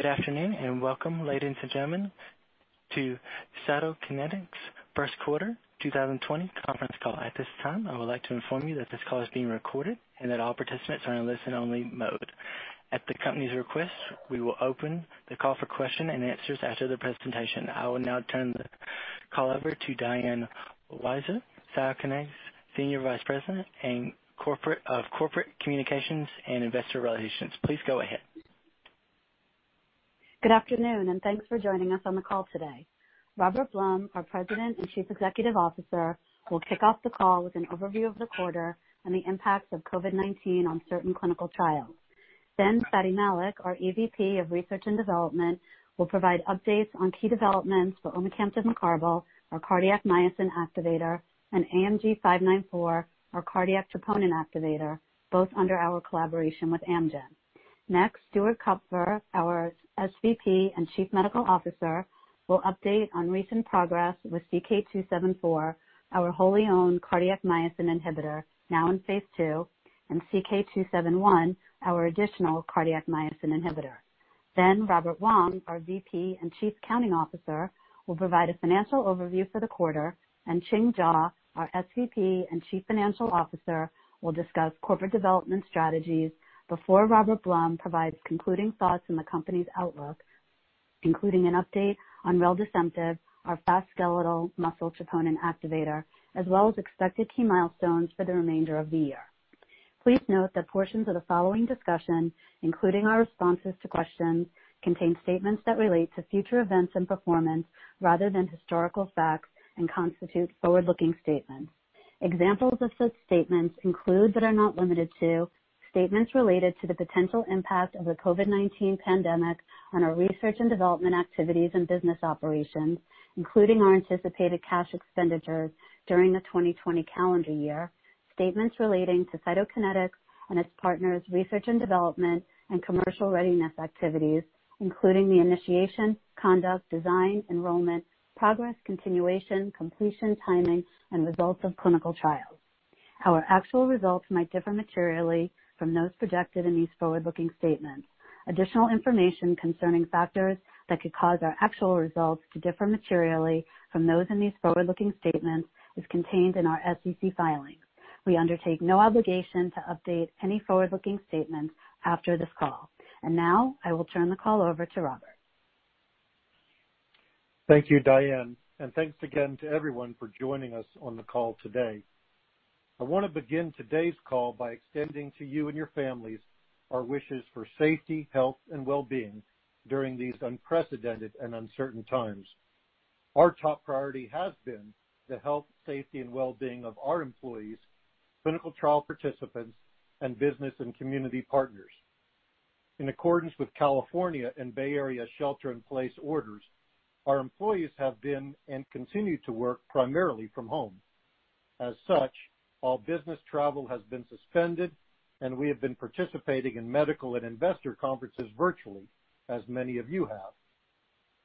Good afternoon, and welcome, ladies and gentlemen, to Cytokinetics' first quarter 2020 conference call. At this time, I would like to inform you that this call is being recorded and that all participants are in listen-only mode. At the company's request, we will open the call for question and answers after the presentation. I will now turn the call over to Diane Weiser, Cytokinetics Senior Vice President of Corporate Communications and Investor Relations. Please go ahead. Good afternoon. Thanks for joining us on the call today. Robert Blum, our President and Chief Executive Officer, will kick off the call with an overview of the quarter and the impacts of COVID-19 on certain clinical trials. Fady Malik, our EVP of Research and Development, will provide updates on key developments for omecamtiv mecarbil, our cardiac myosin activator, and AMG 594, our cardiac troponin activator, both under our collaboration with Amgen. Stuart Kupfer, our SVP and Chief Medical Officer, will update on recent progress with CK-274, our wholly owned cardiac myosin inhibitor, now in phase II, and CK-271, our additional cardiac myosin inhibitor. Robert Wong, our VP and Chief Accounting Officer, will provide a financial overview for the quarter, and Ching Jaw, our SVP and Chief Financial Officer, will discuss corporate development strategies before Robert Blum provides concluding thoughts on the company's outlook, including an update on reldesemtiv, our fast skeletal muscle troponin activator, as well as expected key milestones for the remainder of the year. Please note that portions of the following discussion, including our responses to questions, contain statements that relate to future events and performance rather than historical facts and constitute forward-looking statements. Examples of such statements include, but are not limited to, statements related to the potential impact of the COVID-19 pandemic on our research and development activities and business operations, including our anticipated cash expenditures during the 2020 calendar year. Statements relating to Cytokinetics and its partners' research and development and commercial readiness activities, including the initiation, conduct, design, enrollment, progress, continuation, completion, timing, and results of clinical trials. Our actual results might differ materially from those projected in these forward-looking statements. Additional information concerning factors that could cause our actual results to differ materially from those in these forward-looking statements is contained in our SEC filings. We undertake no obligation to update any forward-looking statements after this call. Now, I will turn the call over to Robert. Thank you, Diane, and thanks again to everyone for joining us on the call today. I want to begin today's call by extending to you and your families our wishes for safety, health, and well-being during these unprecedented and uncertain times. Our top priority has been the health, safety, and well-being of our employees, clinical trial participants, and business and community partners. In accordance with California and Bay Area shelter in place orders, our employees have been and continue to work primarily from home. As such, all business travel has been suspended, and we have been participating in medical and investor conferences virtually, as many of you have.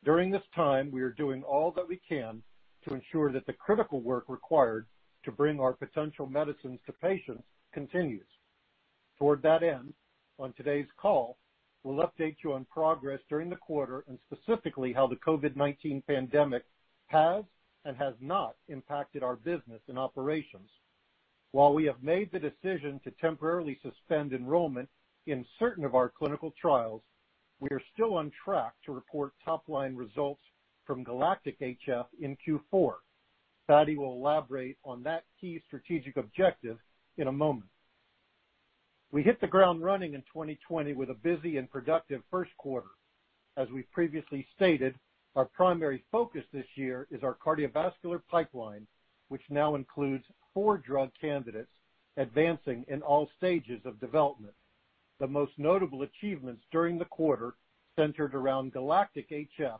During this time, we are doing all that we can to ensure that the critical work required to bring our potential medicines to patients continues. Toward that end, on today's call, we'll update you on progress during the quarter and specifically how the COVID-19 pandemic has and has not impacted our business and operations. While we have made the decision to temporarily suspend enrollment in certain of our clinical trials, we are still on track to report top-line results from GALACTIC-HF in Q4. Fady will elaborate on that key strategic objective in a moment. We hit the ground running in 2020 with a busy and productive first quarter. As we've previously stated, our primary focus this year is our cardiovascular pipeline, which now includes four drug candidates advancing in all stages of development. The most notable achievements during the quarter centered around GALACTIC-HF,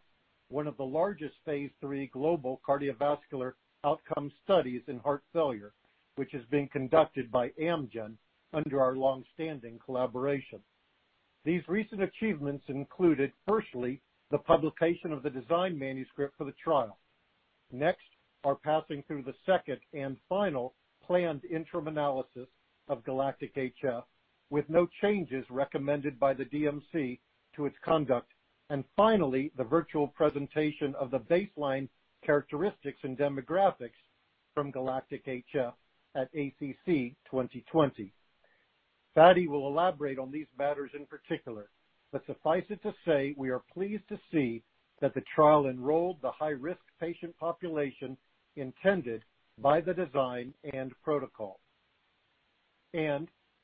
one of the largest phase III global cardiovascular outcome studies in heart failure, which is being conducted by Amgen under our longstanding collaboration. These recent achievements included, firstly, the publication of the design manuscript for the trial. Next, our passing through the second and final planned interim analysis of GALACTIC-HF with no changes recommended by the DMC to its conduct. Finally, the virtual presentation of the baseline characteristics and demographics from GALACTIC-HF at ACC 2020. Fady will elaborate on these matters in particular, suffice it to say, we are pleased to see that the trial enrolled the high-risk patient population intended by the design and protocol.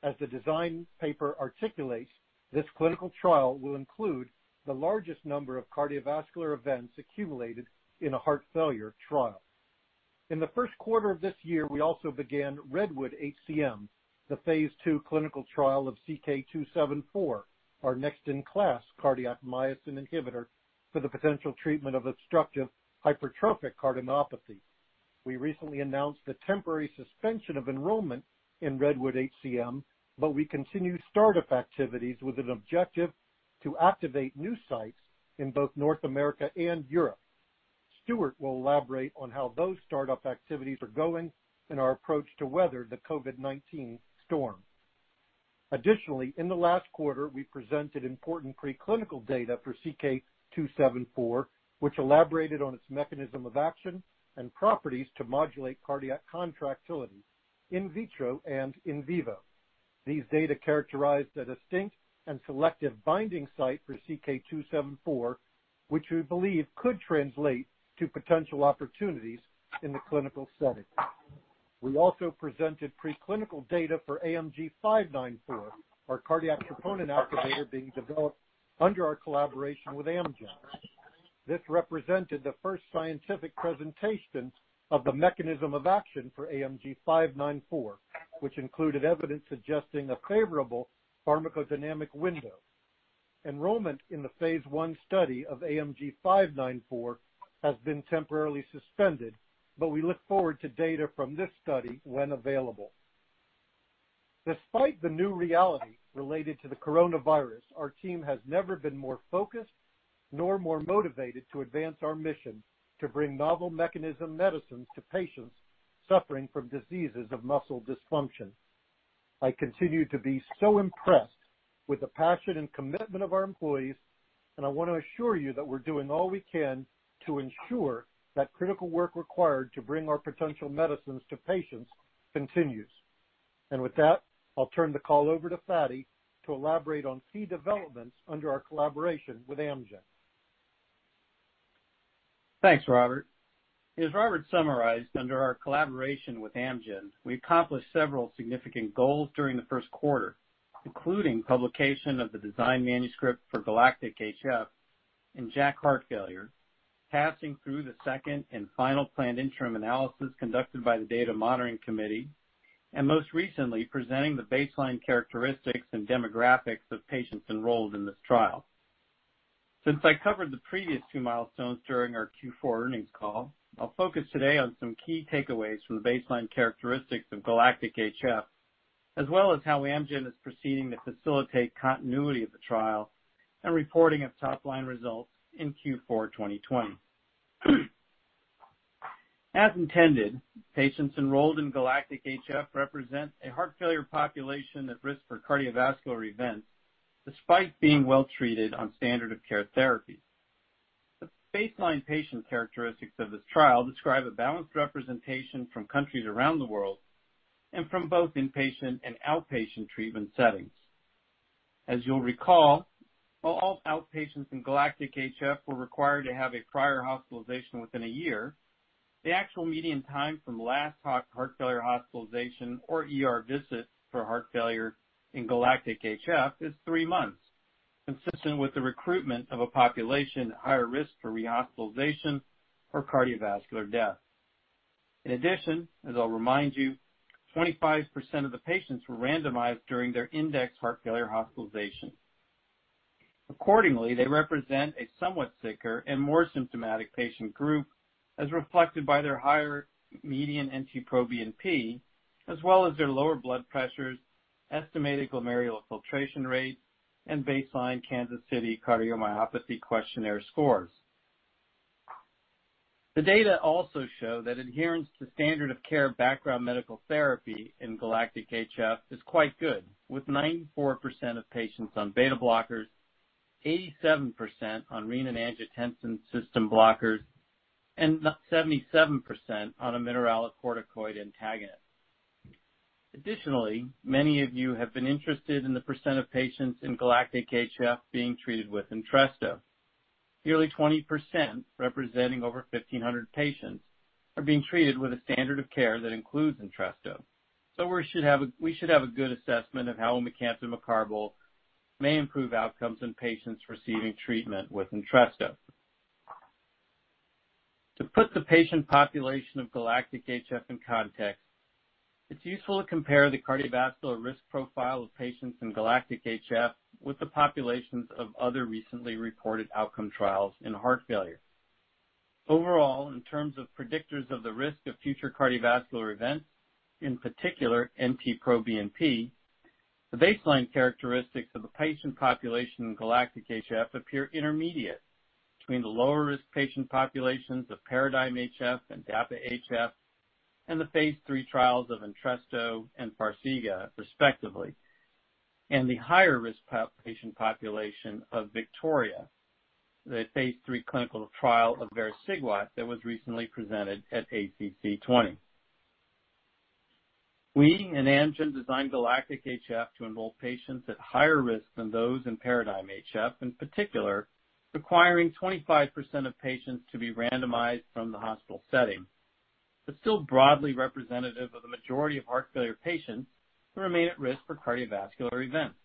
As the design paper articulates, this clinical trial will include the largest number of cardiovascular events accumulated in a heart failure trial. In the first quarter of this year, we also began REDWOOD-HCM, the phase II clinical trial of CK-274, our next-in-class cardiac myosin inhibitor for the potential treatment of obstructive hypertrophic cardiomyopathy. We recently announced the temporary suspension of enrollment in REDWOOD-HCM. We continue startup activities with an objective to activate new sites in both North America and Europe. Stuart will elaborate on how those startup activities are going and our approach to weather the COVID-19 storm. In the last quarter, we presented important preclinical data for CK-274, which elaborated on its mechanism of action and properties to modulate cardiac contractility in vitro and in vivo. These data characterized a distinct and selective binding site for CK-274, which we believe could translate to potential opportunities in the clinical setting. We also presented preclinical data for AMG 594, our cardiac troponin activator being developed under our collaboration with Amgen. This represented the first scientific presentation of the mechanism of action for AMG 594, which included evidence suggesting a favorable pharmacodynamic window. Enrollment in the phase I study of AMG 594 has been temporarily suspended, but we look forward to data from this study when available. Despite the new reality related to the coronavirus, our team has never been more focused, nor more motivated to advance our mission to bring novel mechanism medicines to patients suffering from diseases of muscle dysfunction. I continue to be so impressed with the passion and commitment of our employees, and I want to assure you that we're doing all we can to ensure that critical work required to bring our potential medicines to patients continues. With that, I'll turn the call over to Fady to elaborate on key developments under our collaboration with Amgen. Thanks, Robert. As Robert summarized, under our collaboration with Amgen, we accomplished several significant goals during the first quarter, including publication of the design manuscript for GALACTIC-HF in JACC: Heart Failure, passing through the second and final planned interim analysis conducted by the data monitoring committee, and most recently, presenting the baseline characteristics and demographics of patients enrolled in this trial. Since I covered the previous two milestones during our Q4 earnings call, I'll focus today on some key takeaways from the baseline characteristics of GALACTIC-HF, as well as how Amgen is proceeding to facilitate continuity of the trial and reporting of top-line results in Q4 2020. As intended, patients enrolled in GALACTIC-HF represent a heart failure population at risk for cardiovascular events despite being well-treated on standard of care therapies. The baseline patient characteristics of this trial describe a balanced representation from countries around the world and from both inpatient and outpatient treatment settings. As you'll recall, while all outpatients in GALACTIC-HF were required to have a prior hospitalization within a year, the actual median time from last heart failure hospitalization or ER visit for heart failure in GALACTIC-HF is three months, consistent with the recruitment of a population at higher risk for rehospitalization or cardiovascular death. In addition, as I'll remind you, 25% of the patients were randomized during their index heart failure hospitalization. Accordingly, they represent a somewhat sicker and more symptomatic patient group, as reflected by their higher median NT-proBNP, as well as their lower blood pressures, estimated glomerular filtration rate, and baseline Kansas City Cardiomyopathy Questionnaire scores. The data also show that adherence to standard of care background medical therapy in GALACTIC-HF is quite good, with 94% of patients on beta blockers, 87% on renin-angiotensin system blockers, and 77% on a mineralocorticoid antagonist. Additionally, many of you have been interested in the percent of patients in GALACTIC-HF being treated with ENTRESTO. Nearly 20%, representing over 1,500 patients, are being treated with a standard of care that includes ENTRESTO. We should have a good assessment of how omecamtiv mecarbil may improve outcomes in patients receiving treatment with ENTRESTO. To put the patient population of GALACTIC-HF in context, it is useful to compare the cardiovascular risk profile of patients in GALACTIC-HF with the populations of other recently reported outcome trials in heart failure. Overall, in terms of predictors of the risk of future cardiovascular events, in particular NT-proBNP, the baseline characteristics of the patient population in GALACTIC-HF appear intermediate between the lower-risk patient populations of PARADIGM-HF and DAPA-HF and the phase III trials of ENTRESTO and FARXIGA respectively, and the higher-risk patient population of VICTORIA, the phase III clinical trial of vericiguat that was recently presented at ACC 20. We and Amgen designed GALACTIC-HF to enroll patients at higher risk than those in PARADIGM-HF, in particular, requiring 25% of patients to be randomized from the hospital setting. Still broadly representative of the majority of heart failure patients who remain at risk for cardiovascular events.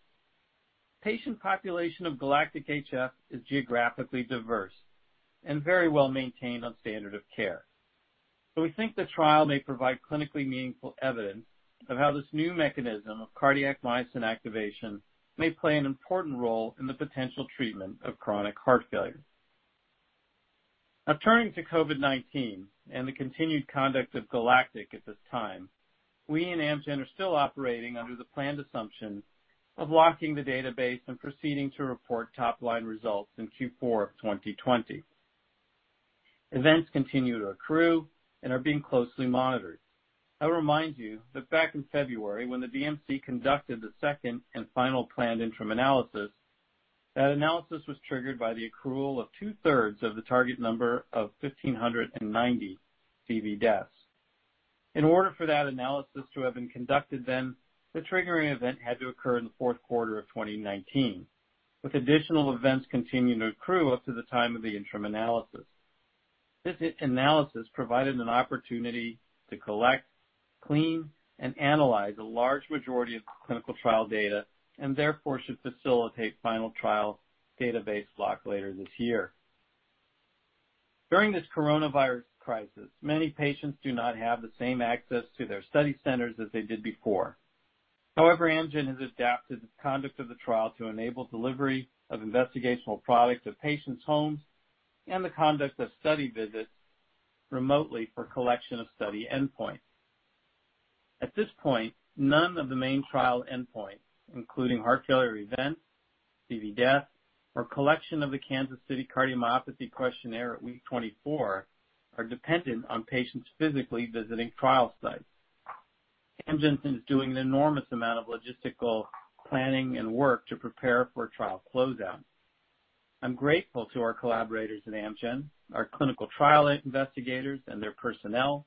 Patient population of GALACTIC-HF is geographically diverse and very well maintained on standard of care. We think the trial may provide clinically meaningful evidence of how this new mechanism of cardiac myosin activation may play an important role in the potential treatment of chronic heart failure. Turning to COVID-19 and the continued conduct of GALACTIC at this time. We and Amgen are still operating under the planned assumption of locking the database and proceeding to report top-line results in Q4 of 2020. Events continue to accrue and are being closely monitored. I'll remind you that back in February, when the DMC conducted the second and final planned interim analysis, that analysis was triggered by the accrual of two-thirds of the target number of 1,590 CV deaths. In order for that analysis to have been conducted then, the triggering event had to occur in the fourth quarter of 2019, with additional events continuing to accrue up to the time of the interim analysis. This analysis provided an opportunity to collect, clean, and analyze a large majority of the clinical trial data. Therefore should facilitate final trial database lock later this year. During this coronavirus crisis, many patients do not have the same access to their study centers as they did before. However, Amgen has adapted its conduct of the trial to enable delivery of investigational product to patients' homes and the conduct of study visits remotely for collection of study endpoints. At this point, none of the main trial endpoints, including heart failure events, CV death, or collection of the Kansas City Cardiomyopathy Questionnaire at week 24, are dependent on patients physically visiting trial sites. Amgen is doing an enormous amount of logistical planning and work to prepare for a trial closeout. I'm grateful to our collaborators at Amgen, our clinical trial investigators and their personnel,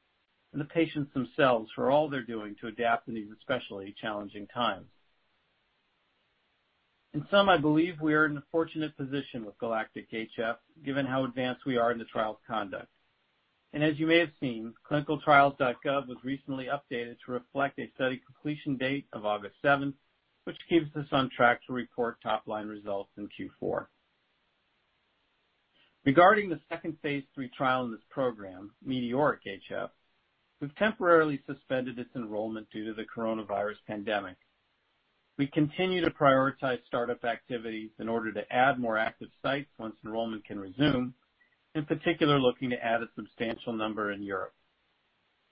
and the patients themselves for all they're doing to adapt in these especially challenging times. In sum, I believe we are in a fortunate position with GALACTIC-HF given how advanced we are in the trial's conduct. As you may have seen, clinicaltrials.gov was recently updated to reflect a study completion date of August 7th, which keeps us on track to report top-line results in Q4. Regarding the second phase III trial in this program, METEORIC-HF, we've temporarily suspended its enrollment due to the coronavirus pandemic. We continue to prioritize startup activities in order to add more active sites once enrollment can resume. In particular, we are looking to add a substantial number in Europe.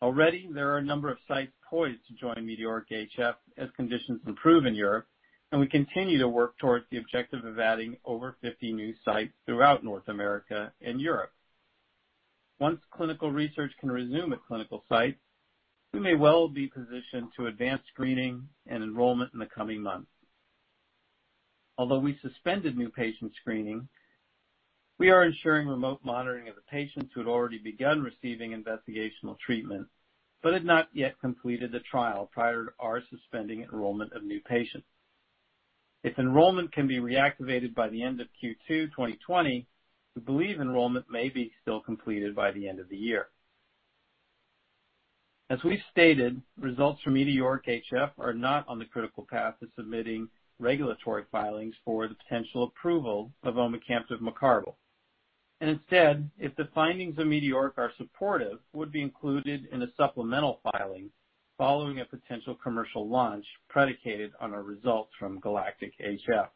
Already, there are a number of sites poised to join METEORIC-HF as conditions improve in Europe, and we continue to work towards the objective of adding over 50 new sites throughout North America and Europe. Once clinical research can resume at clinical sites, we may well be positioned to advance screening and enrollment in the coming months. Although we suspended new patient screening, we are ensuring remote monitoring of the patients who had already begun receiving investigational treatment but had not yet completed the trial prior to our suspending enrollment of new patients. If enrollment can be reactivated by the end of Q2 2020, we believe enrollment may be still completed by the end of the year. As we've stated, results from METEORIC-HF are not on the critical path to submitting regulatory filings for the potential approval of omecamtiv mecarbil. Instead, if the findings of METEORIC are supportive, would be included in a supplemental filing following a potential commercial launch predicated on our results from GALACTIC-HF.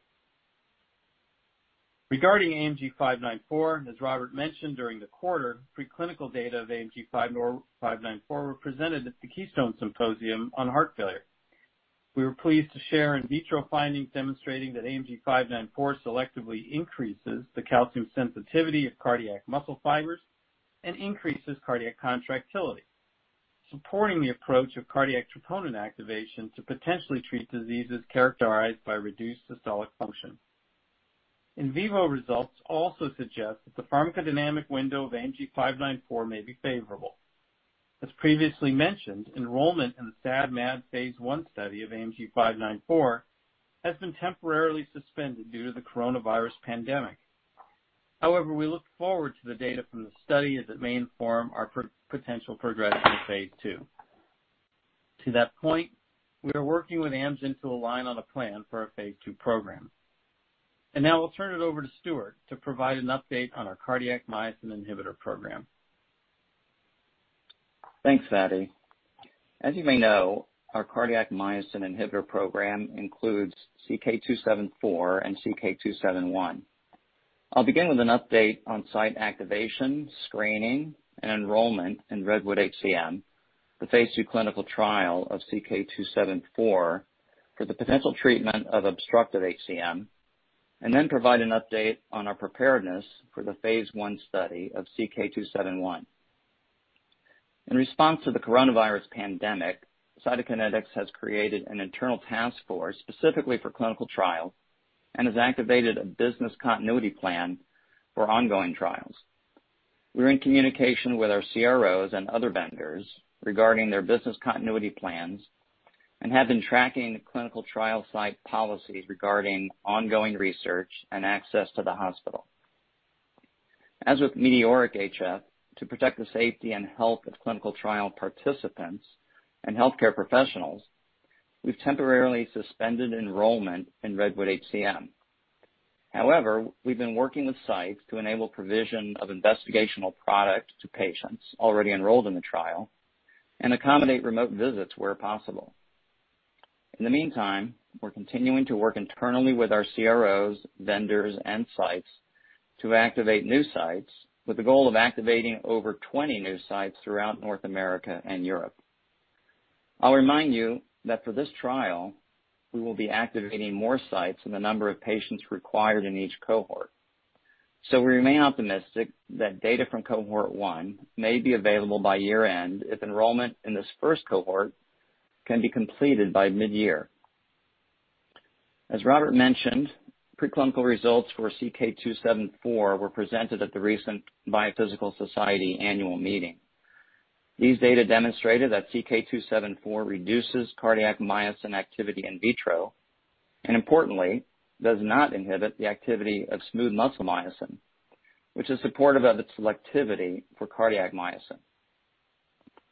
Regarding AMG 594, as Robert mentioned during the quarter, preclinical data of AMG 594 were presented at the Keystone Symposia on heart failure. We were pleased to share in vitro findings demonstrating that AMG 594 selectively increases the calcium sensitivity of cardiac muscle fibers and increases cardiac contractility, supporting the approach of cardiac troponin activation to potentially treat diseases characterized by reduced systolic function. In vivo results also suggest that the pharmacodynamic window of AMG 594 may be favorable. As previously mentioned, enrollment in the SAD/MAD phase I study of AMG 594 has been temporarily suspended due to the coronavirus pandemic. However, we look forward to the data from the study as it may inform our potential progression to phase II. To that point, we are working with Amgen to align on a plan for our phase II program. Now I'll turn it over to Stuart to provide an update on our cardiac myosin inhibitor program. Thanks, Fady. As you may know, our cardiac myosin inhibitor program includes CK-274 and CK-271. I'll begin with an update on site activation, screening, and enrollment in REDWOOD-HCM, the phase II clinical trial of CK-274 for the potential treatment of obstructive HCM. Then provide an update on our preparedness for the phase I study of CK-271. In response to the coronavirus pandemic, Cytokinetics has created an internal task force specifically for clinical trials and has activated a business continuity plan for ongoing trials. We're in communication with our CROs and other vendors regarding their business continuity plans and have been tracking clinical trial site policies regarding ongoing research and access to the hospital. As with METEORIC-HF, to protect the safety and health of clinical trial participants and healthcare professionals, we've temporarily suspended enrollment in REDWOOD-HCM. However, we've been working with sites to enable provision of investigational product to patients already enrolled in the trial and accommodate remote visits where possible. In the meantime, we're continuing to work internally with our CROs, vendors, and sites to activate new sites, with the goal of activating over 20 new sites throughout North America and Europe. I'll remind you that for this trial, we will be activating more sites than the number of patients required in each cohort. We remain optimistic that data from cohort 1 may be available by year-end if enrollment in this first cohort can be completed by mid-year. As Robert mentioned, preclinical results for CK-274 were presented at the recent Biophysical Society Annual Meeting. These data demonstrated that CK-274 reduces cardiac myosin activity in vitro, and importantly, does not inhibit the activity of smooth muscle myosin, which is supportive of its selectivity for cardiac myosin.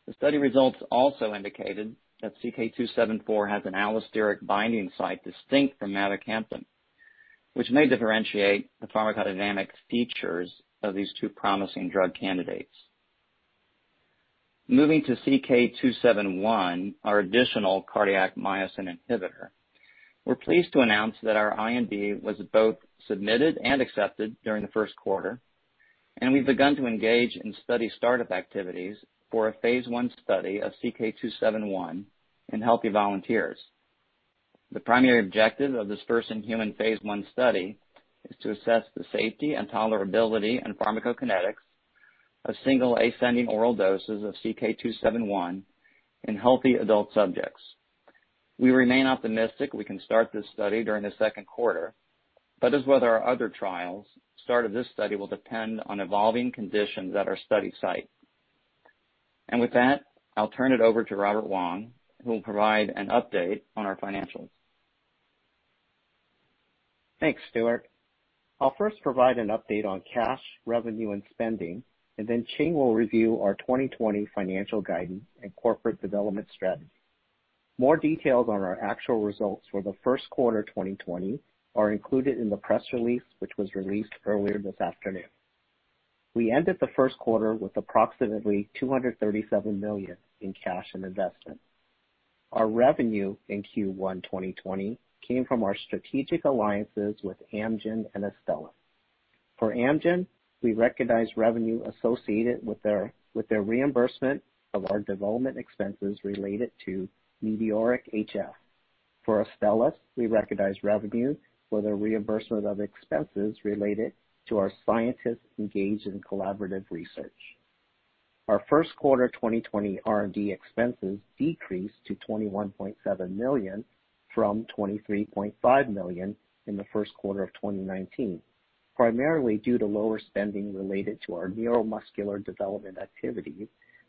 The study results also indicated that CK-274 has an allosteric binding site distinct from mavacamten, which may differentiate the pharmacodynamic features of these two promising drug candidates. Moving to CK-271, our additional cardiac myosin inhibitor. We're pleased to announce that our IND was both submitted and accepted during the first quarter, and we've begun to engage in study startup activities for a phase I study of CK-271 in healthy volunteers. The primary objective of this first human phase I study is to assess the safety and tolerability and pharmacokinetics of single ascending oral doses of CK-271 in healthy adult subjects. We remain optimistic we can start this study during the second quarter, but as with our other trials, start of this study will depend on evolving conditions at our study site. With that, I'll turn it over to Robert Wong, who will provide an update on our financials. Thanks, Stuart. I'll first provide an update on cash, revenue, and spending. Ching will review our 2020 financial guidance and corporate development strategy. More details on our actual results for the first quarter 2020 are included in the press release, which was released earlier this afternoon. We ended the first quarter with approximately $237 million in cash and investments. Our revenue in Q1 2020 came from our strategic alliances with Amgen and Astellas. For Amgen, we recognized revenue associated with their reimbursement of our development expenses related to METEORIC-HF. For Astellas, we recognized revenue for the reimbursement of expenses related to our scientists engaged in collaborative research. Our first quarter 2020 R&D expenses decreased to $21.7 million from $23.5 million in the first quarter of 2019, primarily due to lower spending related to our neuromuscular development activities,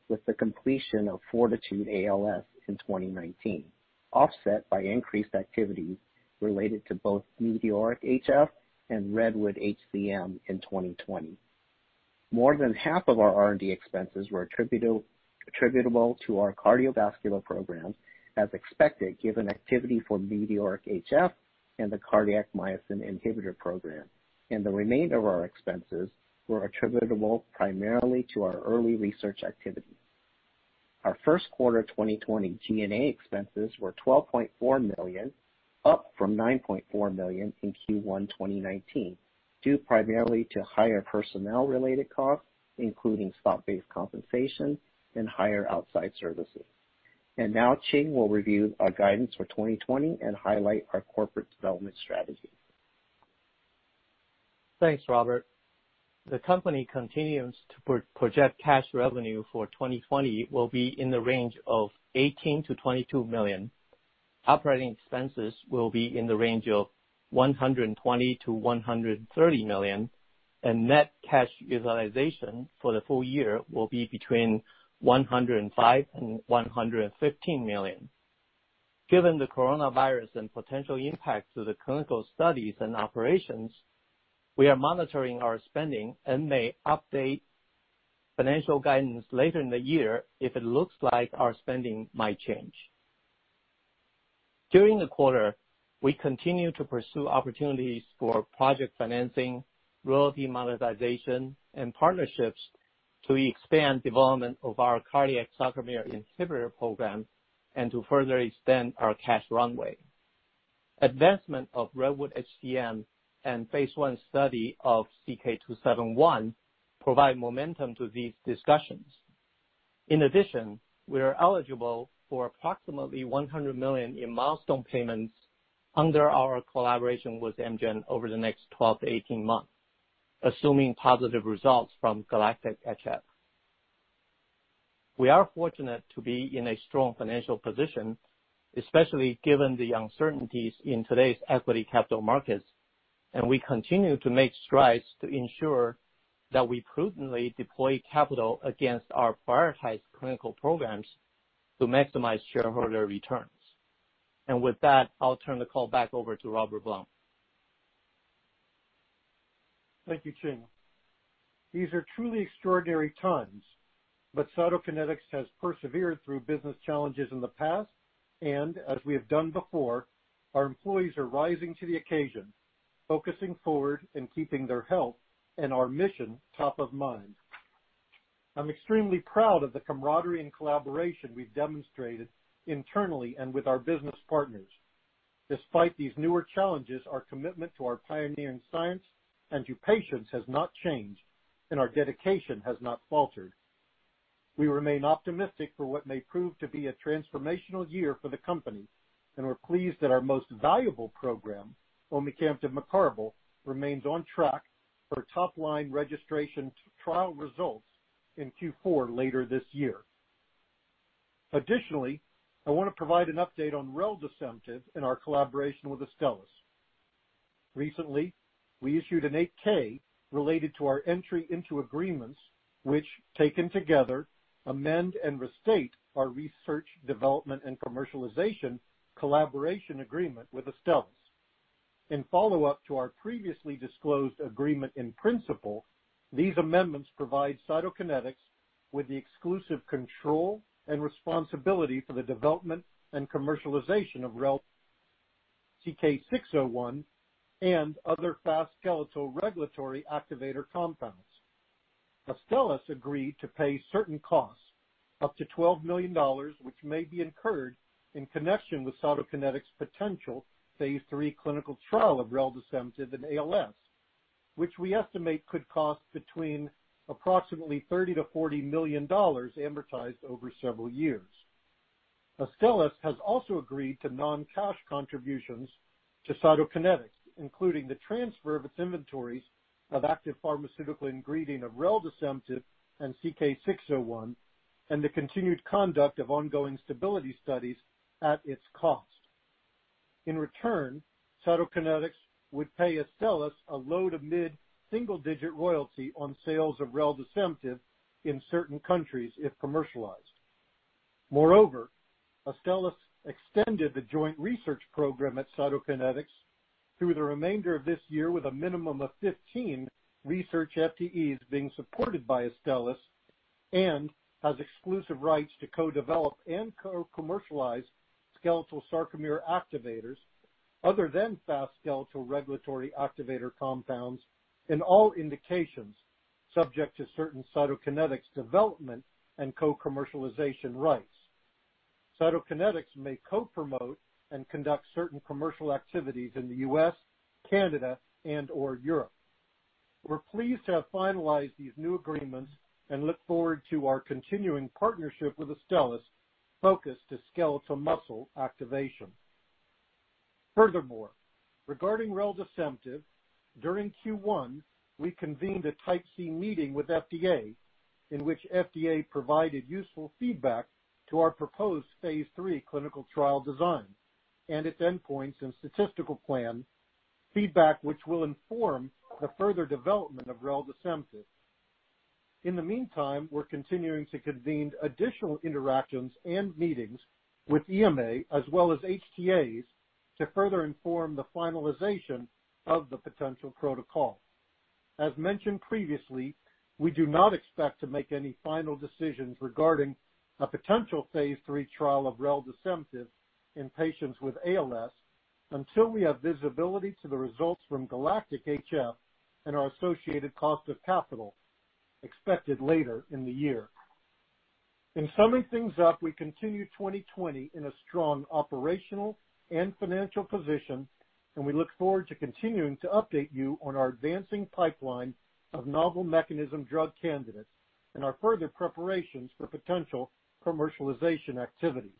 with the completion of FORTITUDE-ALS in 2019, offset by increased activity related to both METEORIC-HF and REDWOOD-HCM in 2020. More than half of our R&D expenses were attributable to our cardiovascular program, as expected, given activity for METEORIC-HF and the cardiac myosin inhibitor program, and the remainder of our expenses were attributable primarily to our early research activities. Our first quarter 2020 G&A expenses were $12.4 million, up from $9.4 million in Q1 2019, due primarily to higher personnel-related costs, including stock-based compensation and higher outside services. Now Ching will review our guidance for 2020 and highlight our corporate development strategy. Thanks, Robert. The company continues to project cash revenue for 2020 will be in the range of $18 million-$22 million. Operating expenses will be in the range of $120 million-$130 million, and net cash utilization for the full year will be between $105 million and $115 million. Given the coronavirus and potential impacts to the clinical studies and operations, we are monitoring our spending and may update financial guidance later in the year if it looks like our spending might change. During the quarter, we continued to pursue opportunities for project financing, royalty monetization, and partnerships to expand development of our cardiac sarcomere inhibitor program and to further extend our cash runway. Advancement of REDWOOD-HCM and phase I study of CK-271 provide momentum to these discussions. In addition, we are eligible for approximately $100 million in milestone payments under our collaboration with Amgen over the next 12-18 months, assuming positive results from GALACTIC-HF. We are fortunate to be in a strong financial position, especially given the uncertainties in today's equity capital markets, and we continue to make strides to ensure that we prudently deploy capital against our prioritized clinical programs to maximize shareholder returns. With that, I'll turn the call back over to Robert Blum. Thank you, Ching. These are truly extraordinary times. Cytokinetics has persevered through business challenges in the past. As we have done before, our employees are rising to the occasion, focusing forward and keeping their health and our mission top of mind. I'm extremely proud of the camaraderie and collaboration we've demonstrated internally and with our business partners. Despite these newer challenges, our commitment to our pioneering science and to patients has not changed, and our dedication has not faltered. We remain optimistic for what may prove to be a transformational year for the company, and we're pleased that our most valuable program, omecamtiv mecarbil, remains on track for top-line registration trial results in Q4 later this year. Additionally, I want to provide an update on reldesemtiv and our collaboration with Astellas. Recently, we issued an 8-K related to our entry into agreements which, taken together, amend and restate our research, development, and commercialization collaboration agreement with Astellas. In follow-up to our previously disclosed agreement in principle, these amendments provide Cytokinetics with the exclusive control and responsibility for the development and commercialization of reldesemtiv, CK-601, and other fast skeletal regulatory activator compounds. Astellas agreed to pay certain costs, up to $12 million, which may be incurred in connection with Cytokinetics' potential phase III clinical trial of reldesemtiv in ALS, which we estimate could cost between approximately $30 million-$40 million, amortized over several years. Astellas has also agreed to non-cash contributions to Cytokinetics, including the transfer of its inventories of active pharmaceutical ingredient of reldesemtiv and CK-601 and the continued conduct of ongoing stability studies at its cost. In return, Cytokinetics would pay Astellas a low-to-mid single-digit royalty on sales of reldesemtiv in certain countries if commercialized. Moreover, Astellas extended the joint research program at Cytokinetics through the remainder of this year with a minimum of 15 research FTEs being supported by Astellas and has exclusive rights to co-develop and co-commercialize skeletal sarcomere activators other than fast skeletal regulatory activator compounds in all indications, subject to certain Cytokinetics development and co-commercialization rights. Cytokinetics may co-promote and conduct certain commercial activities in the U.S., Canada, and/or Europe. We're pleased to have finalized these new agreements and look forward to our continuing partnership with Astellas focused to skeletal muscle activation. Furthermore, regarding reldesemtiv, during Q1, we convened a Type C meeting with FDA, in which FDA provided useful feedback to our proposed phase III clinical trial design and its endpoints and statistical plan, feedback which will inform the further development of reldesemtiv. In the meantime, we're continuing to convene additional interactions and meetings with EMA as well as HTAs to further inform the finalization of the potential protocol. As mentioned previously, we do not expect to make any final decisions regarding a potential phase III trial of reldesemtiv in patients with ALS until we have visibility to the results from GALACTIC-HF and our associated cost of capital expected later in the year. In summing things up, we continue 2020 in a strong operational and financial position, and we look forward to continuing to update you on our advancing pipeline of novel mechanism drug candidates and our further preparations for potential commercialization activities.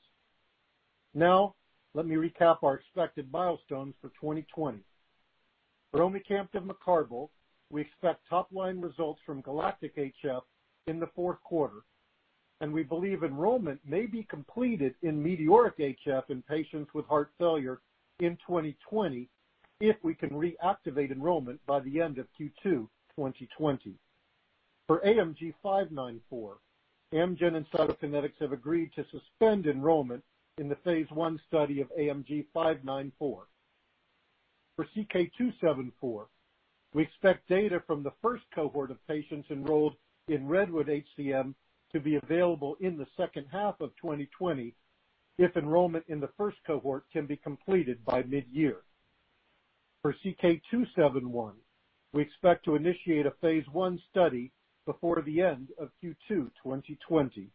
Let me recap our expected milestones for 2020. For omecamtiv mecarbil, we expect top-line results from GALACTIC-HF in the fourth quarter, and we believe enrollment may be completed in METEORIC-HF in patients with heart failure in 2020 if we can reactivate enrollment by the end of Q2 2020. For AMG 594, Amgen and Cytokinetics have agreed to suspend enrollment in the phase I study of AMG 594. For CK-274, we expect data from the first cohort of patients enrolled in REDWOOD-HCM to be available in the second half of 2020 if enrollment in the first cohort can be completed by mid-year. For CK-271, we expect to initiate a phase I study before the end of Q2 2020.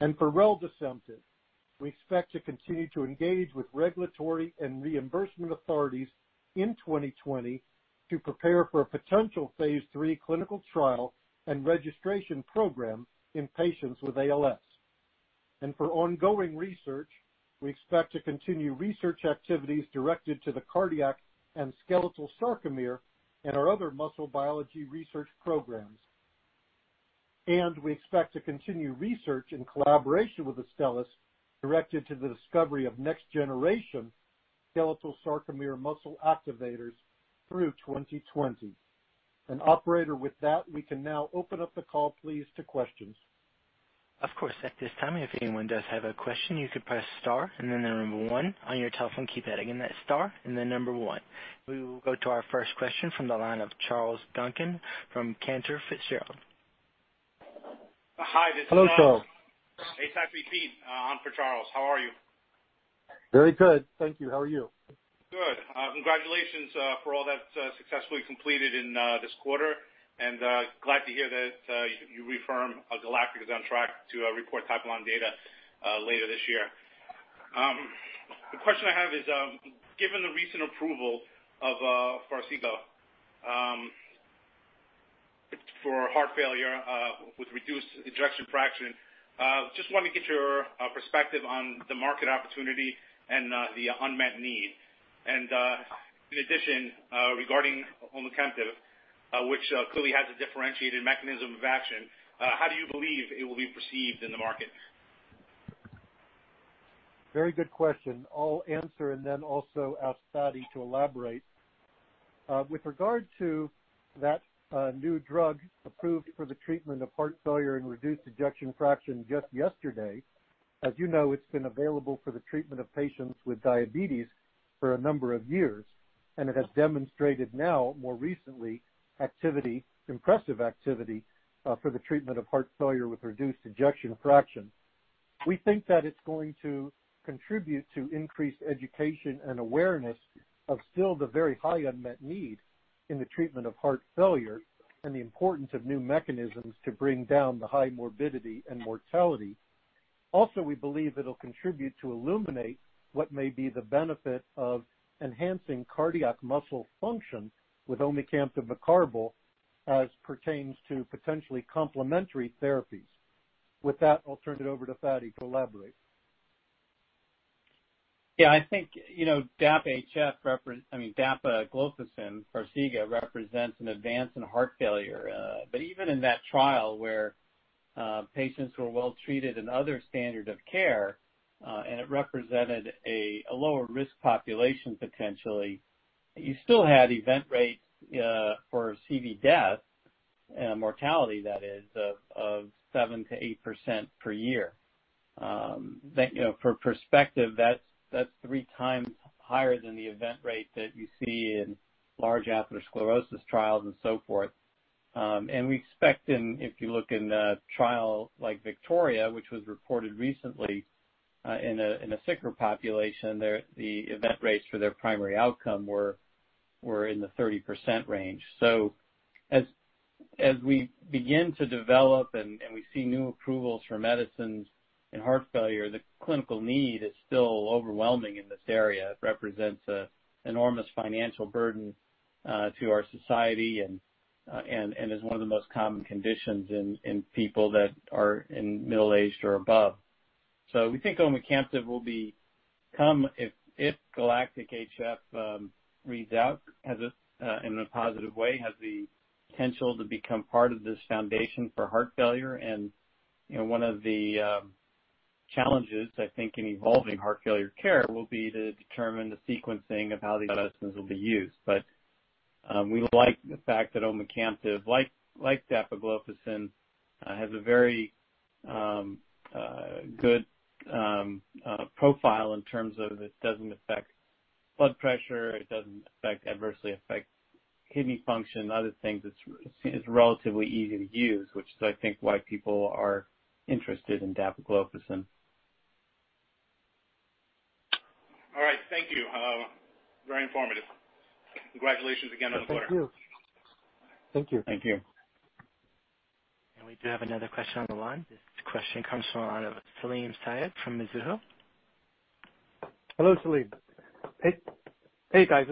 For reldesemtiv, we expect to continue to engage with regulatory and reimbursement authorities in 2020 to prepare for a potential phase III clinical trial and registration program in patients with ALS. For ongoing research, we expect to continue research activities directed to the cardiac and skeletal sarcomere and our other muscle biology research programs. We expect to continue research in collaboration with Astellas directed to the discovery of next-generation skeletal sarcomere muscle activators through 2020. Operator, with that, we can now open up the call, please, to questions. Of course. At this time, if anyone does have a question, you could press star and then the number one on your telephone keypad. Again, that's star and then number one. We will go to our first question from the line of Charles Duncan from Cantor Fitzgerald. Hello, Charles. Hi, this is Pete on for Charles. How are you? Very good. Thank you. How are you? Good. Congratulations for all that successfully completed in this quarter. Glad to hear that you reaffirm GALACTIC is on track to report top-line data later this year. The question I have is, given the recent approval of FARXIGA for heart failure with reduced ejection fraction, just want to get your perspective on the market opportunity and the unmet need. In addition, regarding omecamtiv, which clearly has a differentiated mechanism of action, how do you believe it will be perceived in the market? Very good question. I'll answer and then also ask Fady to elaborate. With regard to that new drug approved for the treatment of heart failure and reduced ejection fraction just yesterday, as you know, it's been available for the treatment of patients with diabetes for a number of years, and it has demonstrated now, more recently, impressive activity for the treatment of heart failure with reduced ejection fraction. We think that it's going to contribute to increased education and awareness of still the very high unmet need in the treatment of heart failure and the importance of new mechanisms to bring down the high morbidity and mortality. We believe it'll contribute to illuminate what may be the benefit of enhancing cardiac muscle function with omecamtiv mecarbil as pertains to potentially complementary therapies. With that, I'll turn it over to Fady to elaborate. Yeah, I think, dapagliflozin, FARXIGA, represents an advance in heart failure. Even in that trial, where patients were well treated in other standard of care, and it represented a lower risk population, potentially, you still had event rates for CV death, mortality that is, of 7%-8% per year. For perspective, that's three times higher than the event rate that you see in large atherosclerosis trials and so forth. We expect in, if you look in a trial like VICTORIA, which was reported recently in a sicker population, the event rates for their primary outcome were in the 30% range. As we begin to develop and we see new approvals for medicines in heart failure, the clinical need is still overwhelming in this area. It represents an enormous financial burden to our society and is one of the most common conditions in people that are in middle-aged or above. We think omecamtiv will become, if GALACTIC-HF reads out in a positive way, has the potential to become part of this foundation for heart failure. One of the challenges, I think, in evolving heart failure care will be to determine the sequencing of how these medicines will be used. We like the fact that omecamtiv, like dapagliflozin, has a very good profile in terms of it doesn't affect blood pressure, it doesn't adversely affect kidney function, other things. It's relatively easy to use, which is, I think, why people are interested in dapagliflozin. All right. Thank you. Very informative. Congratulations again on the quarter. Thank you. Thank you. Thank you. We do have another question on the line. This question comes from the line of Salim Syed from Mizuho. Hello, Salim. Hey, guys.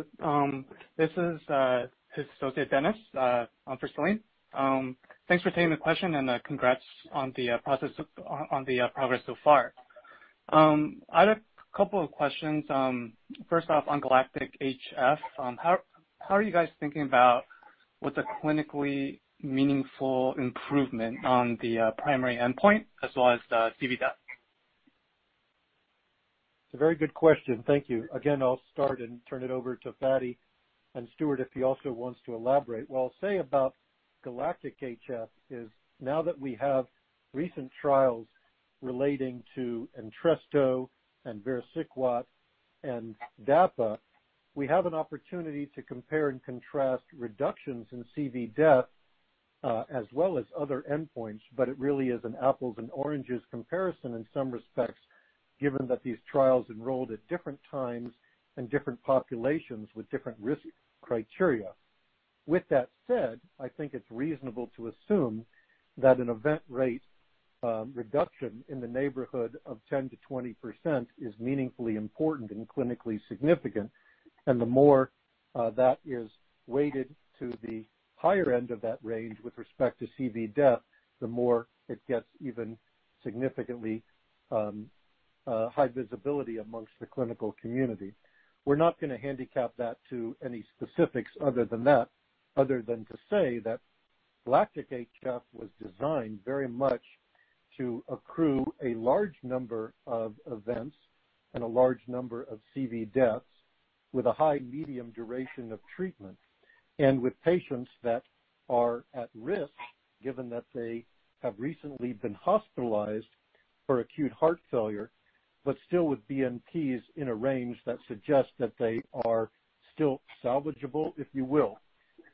This is Dennis for Salim. Thanks for taking the question and congrats on the progress so far. I had a couple of questions. First off, on GALACTIC-HF, how are you guys thinking about what the clinically meaningful improvement on the primary endpoint as well as the CV death? It's a very good question. Thank you. Again, I'll start and turn it over to Fady and Stuart, if he also wants to elaborate. What I'll say about GALACTIC-HF is now that we have recent trials relating to ENTRESTO and vericiguat and DAPA, we have an opportunity to compare and contrast reductions in CV death, as well as other endpoints. It really is an apples and oranges comparison in some respects, given that these trials enrolled at different times and different populations with different risk criteria. With that said, I think it's reasonable to assume that an event rate reduction in the neighborhood of 10%-20% is meaningfully important and clinically significant. The more that is weighted to the higher end of that range with respect to CV death, the more it gets even significantly high visibility amongst the clinical community. We're not going to handicap that to any specifics other than that, other than to say that GALACTIC-HF was designed very much to accrue a large number of events and a large number of CV deaths with a high medium duration of treatment, and with patients that are at risk, given that they have recently been hospitalized for acute heart failure, but still with BNPs in a range that suggests that they are still salvageable, if you will.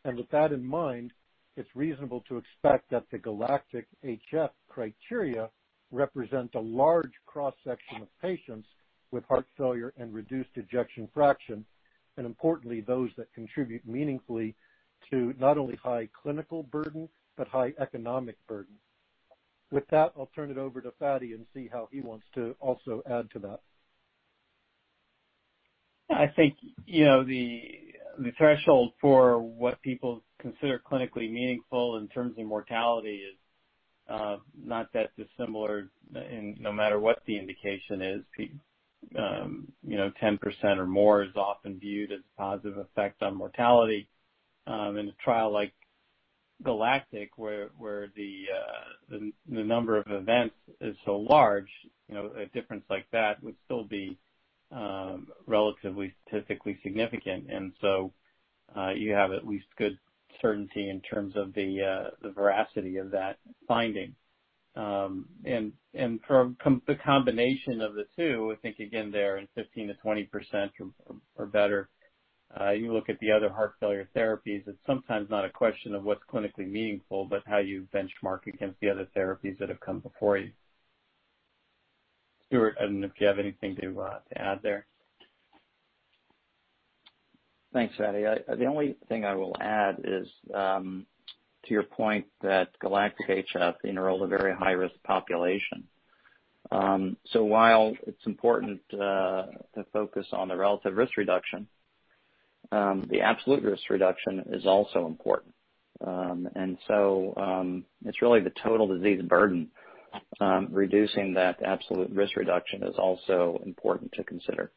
With that in mind, it's reasonable to expect that the GALACTIC-HF criteria represent a large cross-section of patients with heart failure and reduced ejection fraction, and importantly, those that contribute meaningfully to not only high clinical burden, but high economic burden. With that, I'll turn it over to Fady and see how he wants to also add to that. I think, the threshold for what people consider clinically meaningful in terms of mortality is not that dissimilar, no matter what the indication is. 10% or more is often viewed as a positive effect on mortality. In a trial like GALACTIC-HF, where the number of events is so large, a difference like that would still be relatively statistically significant. You have at least good certainty in terms of the veracity of that finding. From the combination of the two, I think again, they're in 15%-20% or better. You look at the other heart failure therapies, it's sometimes not a question of what's clinically meaningful, but how you benchmark against the other therapies that have come before you. Stuart, I don't know if you have anything to add there. Thanks, Fady. The only thing I will add is to your point that GALACTIC-HF enrolled a very high-risk population. While it's important to focus on the relative risk reduction, the absolute risk reduction is also important. It's really the total disease burden. Reducing that absolute risk reduction is also important to consider.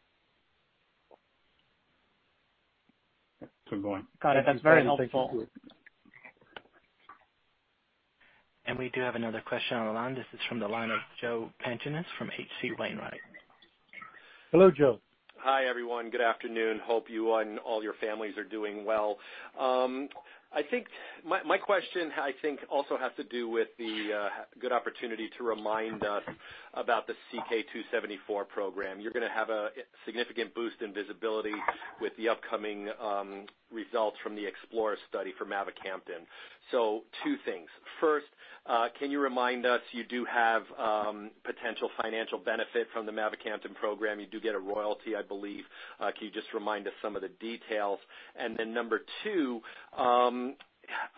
Got it. That's very helpful. Thanks, Stuart. We do have another question on the line. This is from the line of Joe Pantginis from H.C. Wainwright. Hello, Joe. Hi, everyone. Good afternoon. Hope you and all your families are doing well. My question, I think also has to do with the good opportunity to remind us about the CK-274 program. You're going to have a significant boost in visibility with the upcoming results from the EXPLORER-HCM study for mavacamten. So, two things. First, can you remind us, you do have potential financial benefit from the mavacamten program. You do get a royalty, I believe. Can you just remind us some of the details? Then number two,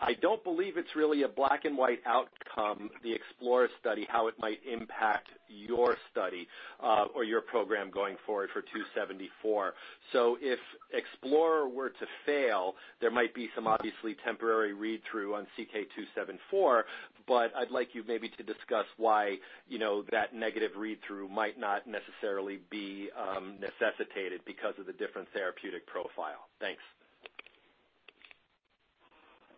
I don't believe it's really a black and white outcome, the EXPLORER-HCM study, how it might impact your study, or your program going forward for CK-274. If EXPLORER-HCM were to fail, there might be some obviously temporary read-through on CK-274. I'd like you maybe to discuss why that negative read-through might not necessarily be necessitated because of the different therapeutic profile. Thanks.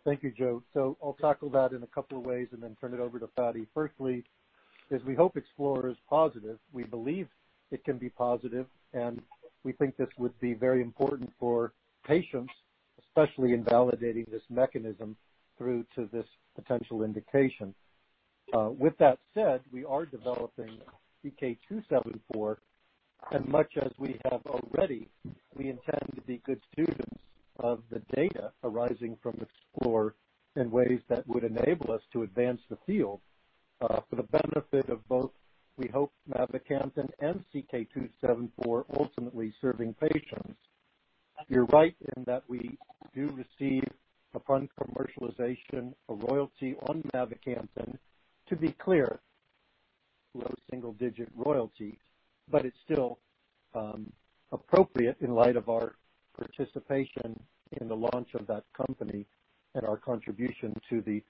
Thank you, Joe. I'll tackle that in a couple of ways and then turn it over to Fady. Firstly, is we hope EXPLORER-HCM is positive. We believe it can be positive, and we think this would be very important for patients, especially in validating this mechanism through to this potential indication. With that said, we are developing CK-274 as much as we have already. We intend to be good students of the data arising from EXPLORER-HCM in ways that would enable us to advance the field for the benefit of both, we hope mavacamten and CK-274, ultimately serving patients. You're right in that we do receive, upon commercialization, a royalty on mavacamten. To be clear, low single-digit royalty, but it's still appropriate in light of our participation in the launch of that company and our contribution to the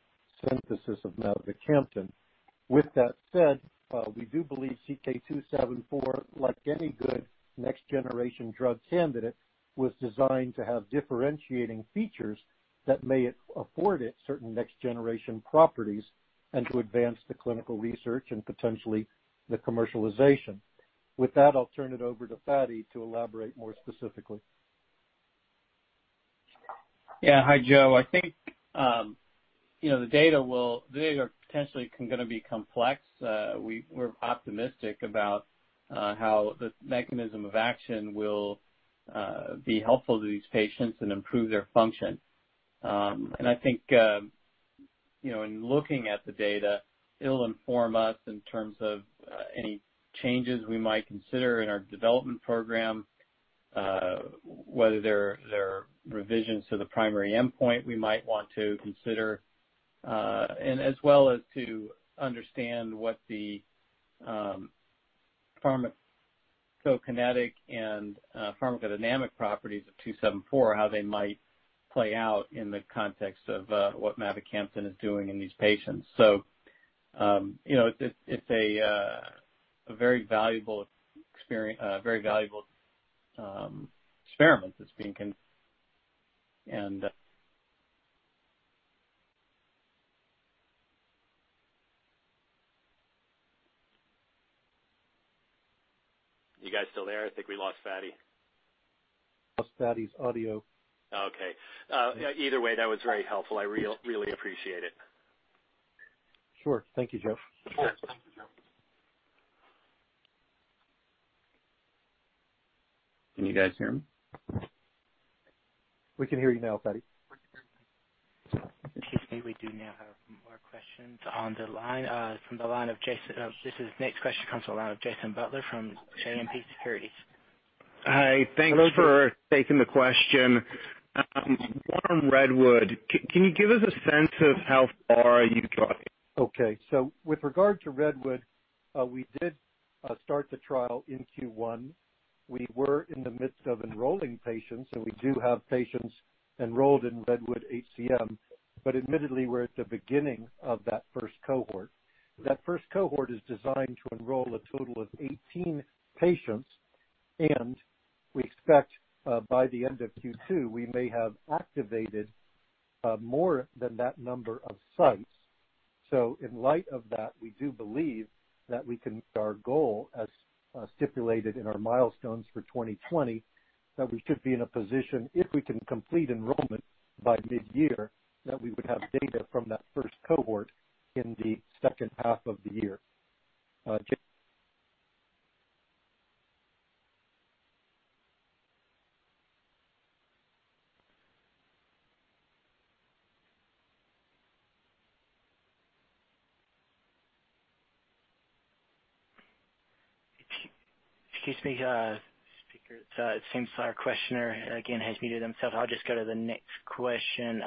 synthesis of mavacamten. With that said, we do believe CK-274, like any good next-generation drug candidate, was designed to have differentiating features that may afford it certain next-generation properties and to advance the clinical research and potentially the commercialization. With that, I'll turn it over to Fady to elaborate more specifically. Yeah. Hi, Joe. I think the data are potentially going to be complex. We're optimistic about how the mechanism of action will be helpful to these patients and improve their function. I think in looking at the data, it'll inform us in terms of any changes we might consider in our development program, whether there are revisions to the primary endpoint we might want to consider, and as well as to understand what the pharmacokinetic and pharmacodynamic properties of CK-274, how they might play out in the context of what mavacamten is doing in these patients. It's a very valuable experiment that's being con. You guys still there? I think we lost Fady. Lost Fady's audio. Okay. Either way, that was very helpful. I really appreciate it. Sure. Thank you, Joe. Can you guys hear me? We can hear you now, buddy. Excuse me. We do now have more questions on the line. This next question comes from the line of Jason Butler from JMP Securities. Hi. Thanks for taking the question. One on Redwood. Can you give us a sense of how far you've got? Okay. With regard to REDWOOD-HCM, we did start the trial in Q1. We were in the midst of enrolling patients, and we do have patients enrolled in REDWOOD-HCM, admittedly, we're at the beginning of that first cohort. That first cohort is designed to enroll a total of 18 patients, we expect by the end of Q2, we may have activated more than that number of sites. In light of that, we do believe that we can meet our goal as stipulated in our milestones for 2020, that we should be in a position, if we can complete enrollment by mid-year, that we would have data from that first cohort in the second half of the year. Jason. Excuse me, speaker. It seems our questioner again has muted himself. I'll just go to the next question.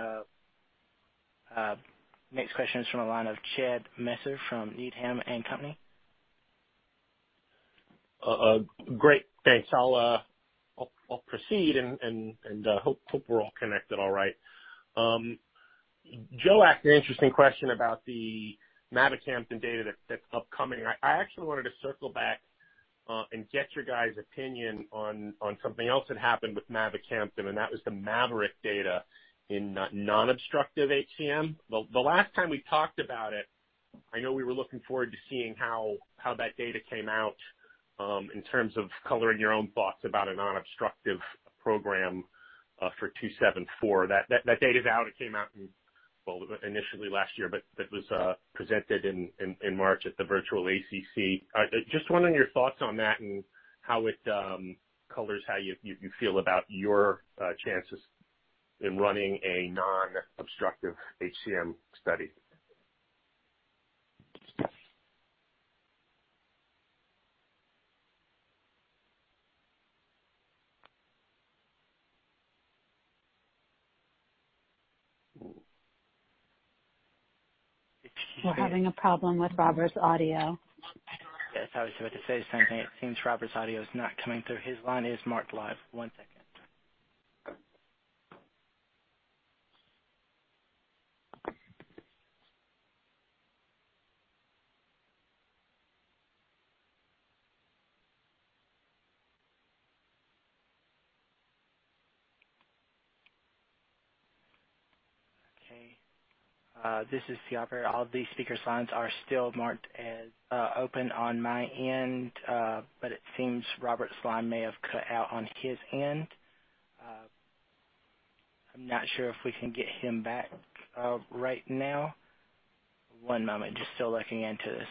Next question is from the line of Chad Messer from Needham & Company. Great. Thanks. I'll proceed and hope we're all connected all right. Joe asked an interesting question about the mavacamten data that's upcoming. I actually wanted to circle back and get your guys' opinion on something else that happened with mavacamten, that was the MAVERICK data in non-obstructive HCM. The last time we talked about it, I know we were looking forward to seeing how that data came out in terms of coloring your own thoughts about a non-obstructive program for CK-274. That data is out. It came out initially last year, but it was presented in March at the virtual ACC. Just wondering your thoughts on that and how it colors how you feel about your chances in running a non-obstructive HCM study. We're having a problem with Robert's audio. Yes, I was about to say something. It seems Robert's audio is not coming through. His line is marked live. One second. Okay. This is the operator. All these speaker's lines are still marked as open on my end, but it seems Robert's line may have cut out on his end. I'm not sure if we can get him back right now. One moment. Just still looking into this.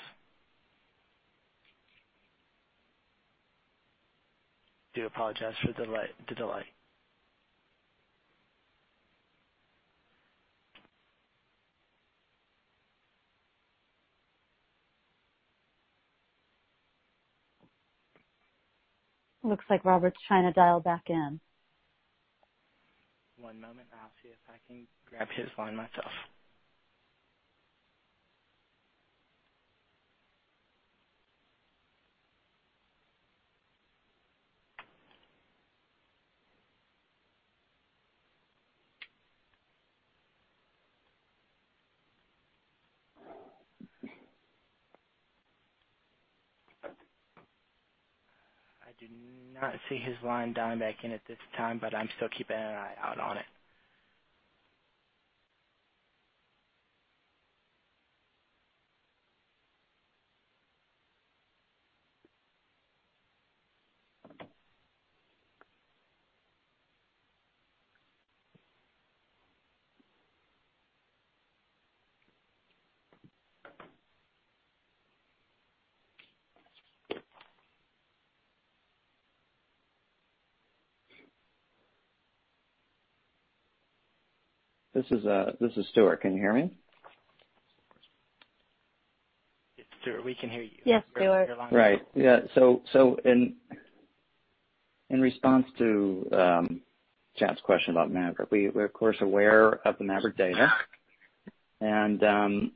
Do apologize for the delay. Looks like Robert's trying to dial back in. One moment. I'll see if I can grab his line myself. I do not see his line dialing back in at this time. I'm still keeping an eye out on it. This is Stuart. Can you hear me? Yes, Stuart, we can hear you. Yes, Stuart. Right. Yeah. In response to Chad's question about MAVERICK-HCM, we're of course aware of the MAVERICK-HCM data.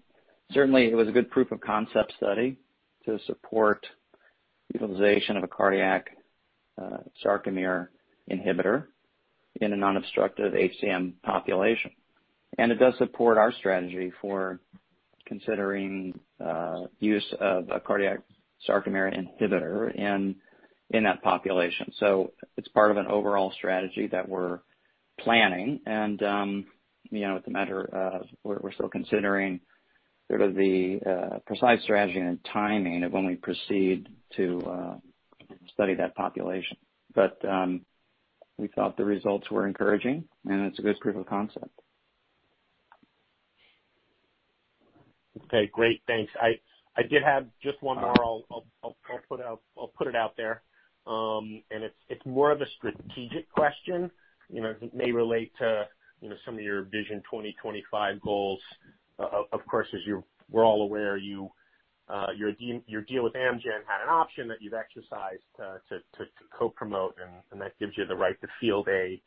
Certainly, it was a good proof of concept study to support utilization of a cardiac sarcomere inhibitor in a non-obstructive HCM population. It does support our strategy for considering use of a cardiac sarcomere inhibitor in that population. It's part of an overall strategy that we're planning. At the matter of we're still considering sort of the precise strategy and timing of when we proceed to study that population. We thought the results were encouraging, and it's a good proof of concept. Okay, great. Thanks. I did have just one more. I'll put it out there. It's more of a strategic question. It may relate to some of your Vision 2025 goals. Of course, as we're all aware, your deal with Amgen had an option that you've exercised to co-promote, and that gives you the right to field a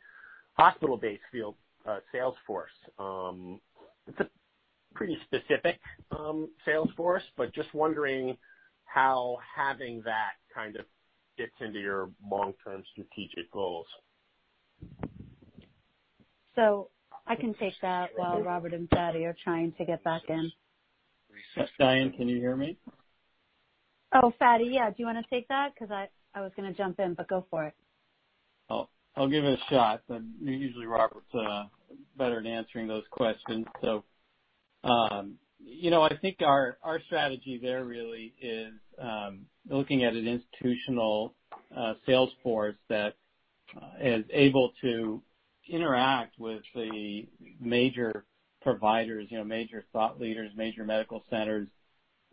hospital-based field sales force. It's a pretty specific sales force, but just wondering how having that kind of fits into your long-term strategic goals. I can take that while Robert and Fady are trying to get back in. Diane, can you hear me? Oh, Fady, yeah. Do you want to take that? I was going to jump in, but go for it. I'll give it a shot. Usually Robert's better at answering those questions. I think our strategy there really is looking at an institutional sales force that is able to interact with the major providers, major thought leaders, major medical centers,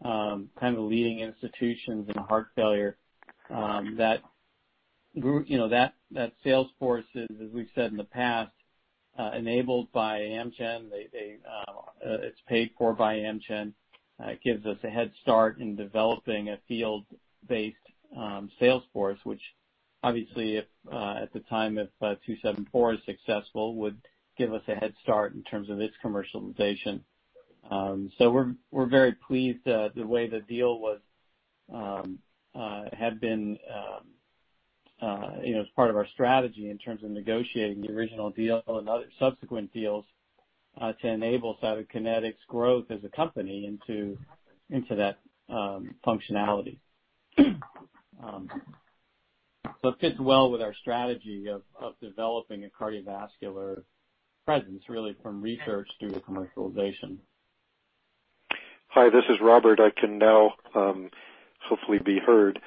the leading institutions in heart failure. That sales force is, as we've said in the past, enabled by Amgen. It's paid for by Amgen. It gives us a head start in developing a field-based sales force, which obviously, at the time, if 274 is successful, would give us a head start in terms of its commercialization. We're very pleased the way the deal had been as part of our strategy in terms of negotiating the original deal and other subsequent deals to enable Cytokinetics growth as a company into that functionality. It fits well with our strategy of developing a cardiovascular presence, really, from research through to commercialization. Hi, this is Robert. I can now hopefully be heard.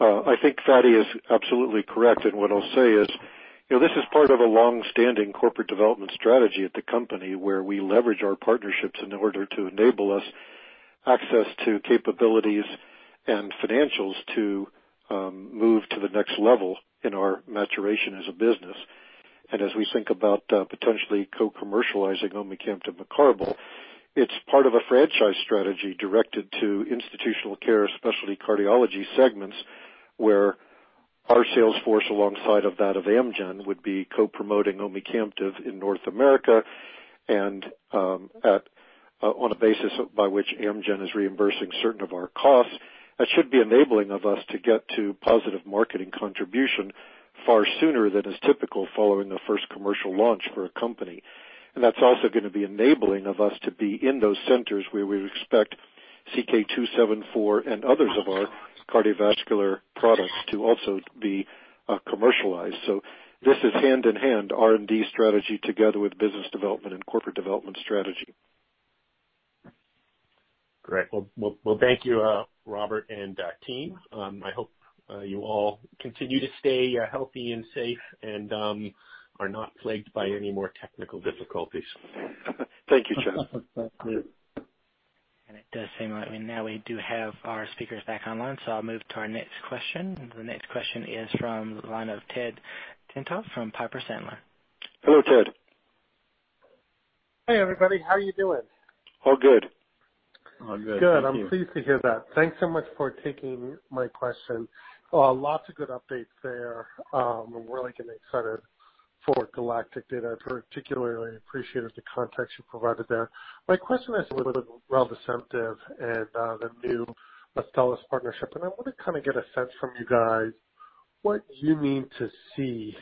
I think Fady is absolutely correct. What I'll say is, this is part of a longstanding corporate development strategy at the company where we leverage our partnerships in order to enable us access to capabilities and financials to move to the next level in our maturation as a business. As we think about potentially co-commercializing omecamtiv mecarbil, it's part of a franchise strategy directed to institutional care, specialty cardiology segments where our sales force, alongside of that of Amgen, would be co-promoting omecamtiv in North America and on a basis by which Amgen is reimbursing certain of our costs. That should be enabling of us to get to positive marketing contribution far sooner than is typical following a first commercial launch for a company. That's also going to be enabling of us to be in those centers where we would expect CK-274 and others of our cardiovascular products to also be commercialized. This is hand-in-hand R&D strategy together with business development and corporate development strategy. Great. Well, thank you, Robert and team. I hope you all continue to stay healthy and safe and are not plagued by any more technical difficulties. Thank you, Chad. It does seem like now we do have our speakers back online, so I'll move to our next question. The next question is from the line of Ted Tenthoff from Piper Sandler. Hello, Ted. Hey, everybody. How are you doing? All good. All good. Thank you. Good. I'm pleased to hear that. Thanks so much for taking my question. Lots of good updates there. I'm really getting excited for GALACTIC data. I particularly appreciated the context you provided there. My question is a little bit reldesemtiv and the new Astellas partnership. I want to get a sense from you guys what you need to see,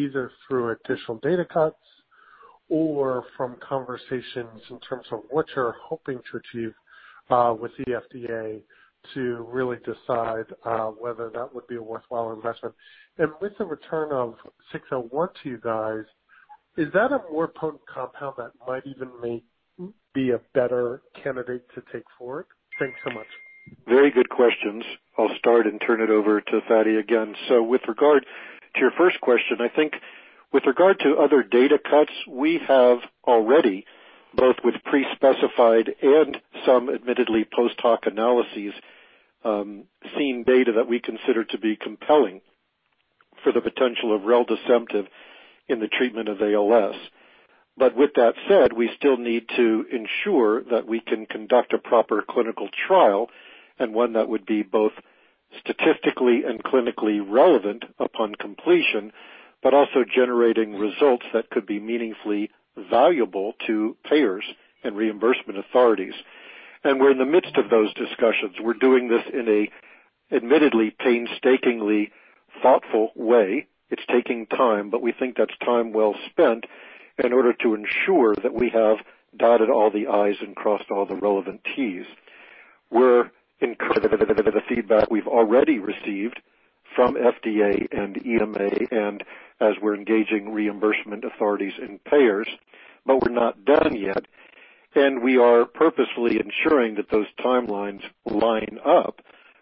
either through additional data cuts or from conversations in terms of what you're hoping to achieve with the FDA to really decide whether that would be a worthwhile investment. With the return of 601 to you guys, is that a more potent compound that might even be a better candidate to take forward? Thanks so much. Very good questions. I'll start and turn it over to Fady again. With regard to your first question, I think with regard to other data cuts, we have already, both with pre-specified and some admittedly post-hoc analyses, seen data that we consider to be compelling for the potential of reldesemtiv in the treatment of ALS. With that said, we still need to ensure that we can conduct a proper clinical trial and one that would be both statistically and clinically relevant upon completion, but also generating results that could be meaningfully valuable to payers and reimbursement authorities. We're in the midst of those discussions. We're doing this in a admittedly painstakingly thoughtful way. It's taking time, but we think that's time well spent in order to ensure that we have dotted all the I's and crossed all the relevant T's. We're encouraged by the feedback we've already received from FDA and EMA and as we're engaging reimbursement authorities and payers, but we're not done yet, and we are purposefully ensuring that those timelines line up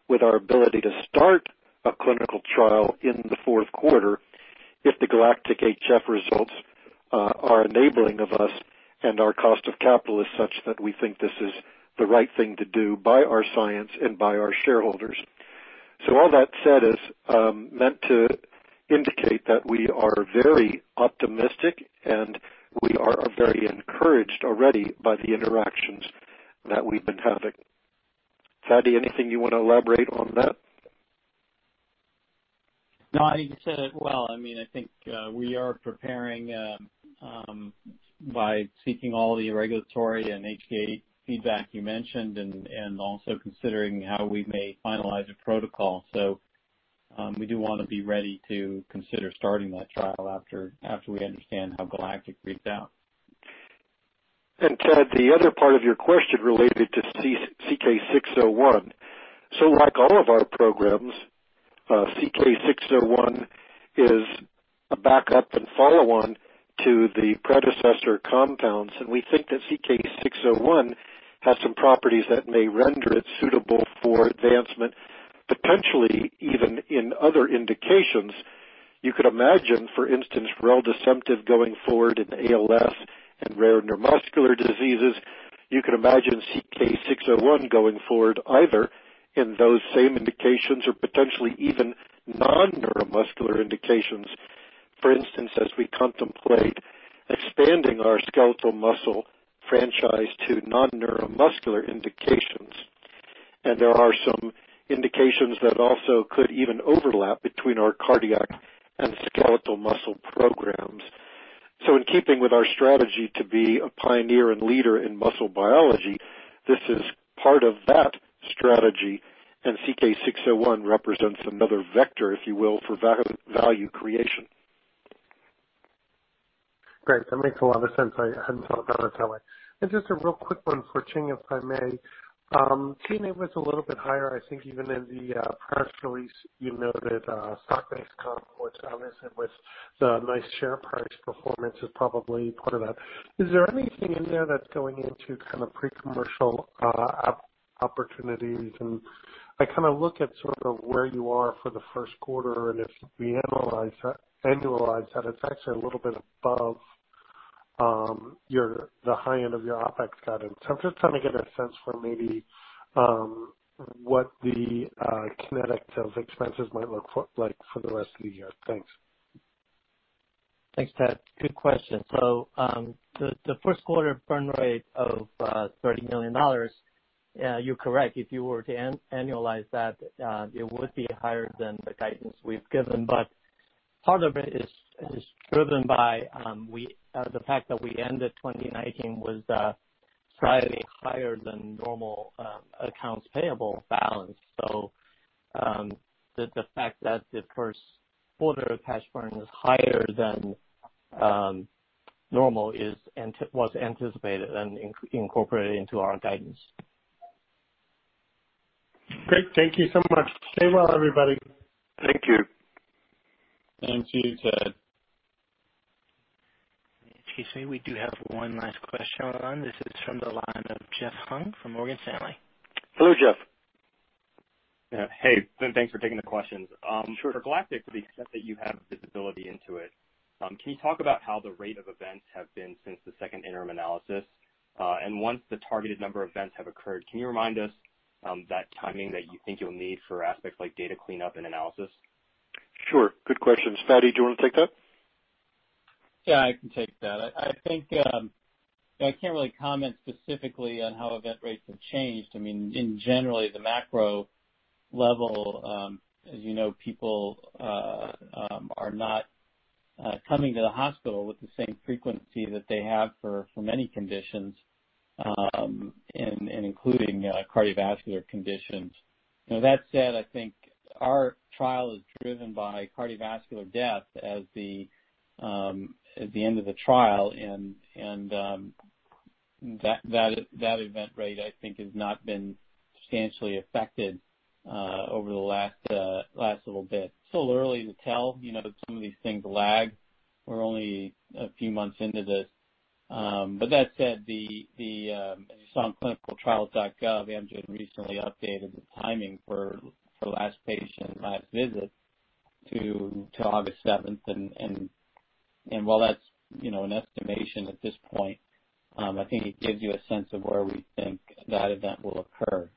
with our ability to start a clinical trial in the fourth quarter if the GALACTIC-HF results are enabling of us and our cost of capital is such that we think this is the right thing to do by our science and by our shareholders. All that said is meant to indicate that we are very optimistic, and we are very encouraged already by the interactions that we've been having. Fady, anything you want to elaborate on that? No, I think you said it well. I think we are preparing by seeking all the regulatory and HTA feedback you mentioned, and also considering how we may finalize a protocol. We do want to be ready to consider starting that trial after we understand how GALACTIC reads out. Ted, the other part of your question related to CK-601. Like all of our programs, CK-601 is a backup and follow-on to the predecessor compounds, and we think that CK-601 has some properties that may render it suitable for advancement, potentially even in other indications. You could imagine, for instance, reldesemtiv going forward in ALS and rare neuromuscular diseases. You could imagine CK-601 going forward either in those same indications or potentially even non-neuromuscular indications. For instance, as we contemplate expanding our skeletal muscle franchise to non-neuromuscular indications. There are some indications that also could even overlap between our cardiac and skeletal muscle programs. In keeping with our strategy to be a pioneer and leader in muscle biology, this is part of that strategy, and CK-601 represents another vector, if you will, for value creation. Great. That makes a lot of sense. I hadn't thought about it that way. Just a real quick one for Ching, if I may. Ching, it was a little bit higher, I think, even in the press release, you noted stock-based comp, which obviously with the nice share price performance is probably part of that. Is there anything in there that's going into kind of pre-commercial opportunities? I look at sort of where you are for the first quarter, and if we annualize that, it's actually a little bit above the high end of your OpEx guidance. I'm just trying to get a sense for maybe what the Cytokinetics sales expenses might look like for the rest of the year. Thanks. Thanks, Ted. Good question. The first quarter burn rate of $30 million, you're correct. If you were to annualize that, it would be higher than the guidance we've given. Part of it is driven by the fact that we ended 2019 with a slightly higher than normal accounts payable balance. The fact that the first quarter cash burn is higher than normal was anticipated and incorporated into our guidance. Great. Thank you so much. Stay well, everybody. Thank you. Thank you, Ted. GC, we do have one last question on the line. This is from the line of Jeff Hung from Morgan Stanley. Hello, Jeff. Hey. Thanks for taking the questions. Sure. For GALACTIC, to the extent that you have visibility into it, can you talk about how the rate of events have been since the second interim analysis? Once the targeted number of events have occurred, can you remind us that timing that you think you'll need for aspects like data cleanup and analysis? Sure. Good question. Fady, do you want to take that? Yeah, I can take that. I think, I can't really comment specifically on how event rates have changed. In general, at the macro level, as you know, people are not coming to the hospital with the same frequency that they have for many conditions, including cardiovascular conditions. Now, that said, I think our trial is driven by cardiovascular death as the end of the trial, and that event rate, I think, has not been substantially affected over the last little bit. Still early to tell. Some of these things lag. We're only a few months into this. That said, on clinicaltrials.gov, Amgen recently updated the timing for last patient and last visit to August 7th. While that's an estimation at this point, I think it gives you a sense of where we think that event will occur.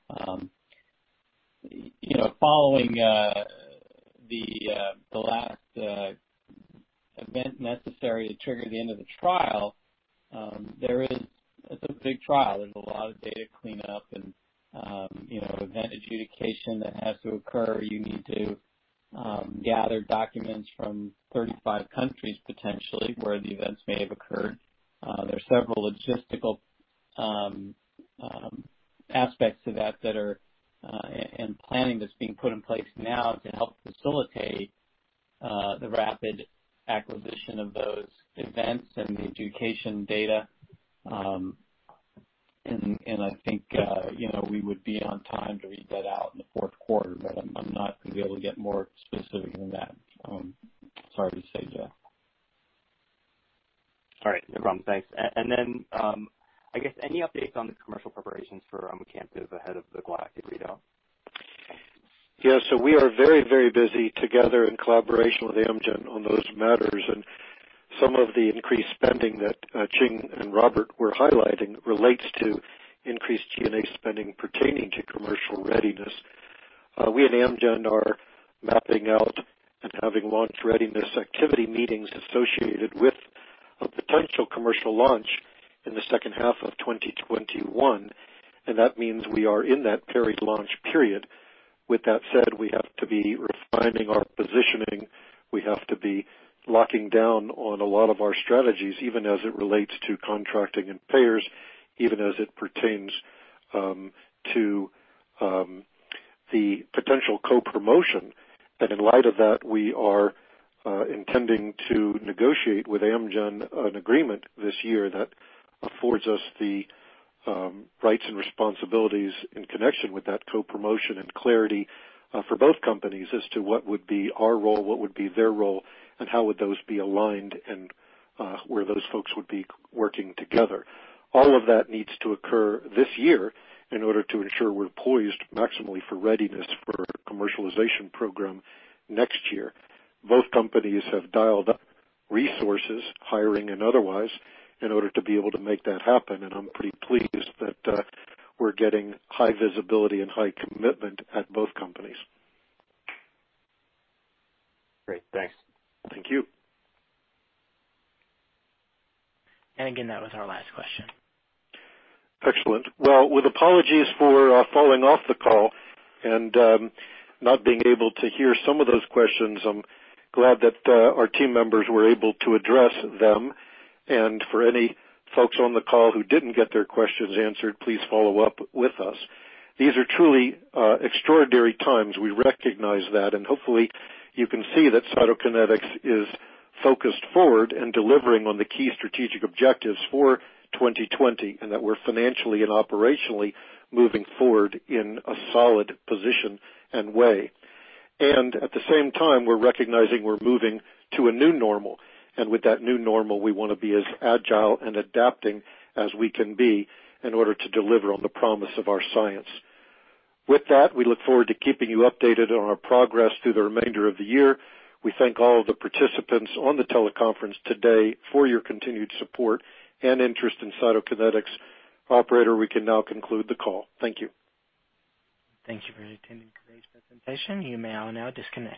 Following the last event necessary to trigger the end of the trial, it's a big trial. There's a lot of data cleanup and event adjudication that has to occur. You need to gather documents from 35 countries, potentially, where the events may have occurred. There are several logistical aspects to that, and planning that's being put in place now to help facilitate the rapid acquisition of those events and the adjudication data. I think we would be on time to read that out in the fourth quarter, but I'm not going to be able to get more specific than that. Sorry to say, Jeff. All right, no problem. Thanks. I guess any updates on the commercial preparations for omecamtiv ahead of the GALACTIC readout? Yeah. We are very busy together in collaboration with Amgen on those matters, and some of the increased spending that Ching and Robert were highlighting relates to increased G&A spending pertaining to commercial readiness. We and Amgen are mapping out and having launch readiness activity meetings associated with a potential commercial launch in the second half of 2021, and that means we are in that very launch period. With that said, we have to be refining our positioning. We have to be locking down on a lot of our strategies, even as it relates to contracting and payers, even as it pertains to the potential co-promotion. In light of that, we are intending to negotiate with Amgen an agreement this year that affords us the rights and responsibilities in connection with that co-promotion, and clarity for both companies as to what would be our role, what would be their role, and how would those be aligned and where those folks would be working together. All of that needs to occur this year in order to ensure we're poised maximally for readiness for our commercialization program next year. Both companies have dialed up resources, hiring and otherwise, in order to be able to make that happen, and I'm pretty pleased that we're getting high visibility and high commitment at both companies. Great. Thanks. Thank you. Again, that was our last question. Excellent. Well, with apologies for falling off the call and not being able to hear some of those questions, I'm glad that our team members were able to address them. For any folks on the call who didn't get their questions answered, please follow up with us. These are truly extraordinary times. We recognize that, and hopefully you can see that Cytokinetics is focused forward and delivering on the key strategic objectives for 2020, and that we're financially and operationally moving forward in a solid position and way. At the same time, we're recognizing we're moving to a new normal, and with that new normal, we want to be as agile and adapting as we can be in order to deliver on the promise of our science. With that, we look forward to keeping you updated on our progress through the remainder of the year. We thank all of the participants on the teleconference today for your continued support and interest in Cytokinetics. Operator, we can now conclude the call. Thank you. Thank you for attending today's presentation. You may now disconnect.